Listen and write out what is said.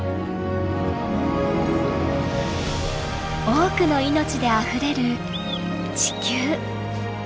多くの命であふれる地球。